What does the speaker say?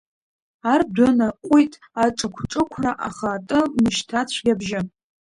Ардәына ҟәиҭ аҿықә-ҿықәра, аха аты мышьҭацәгьа абжьы…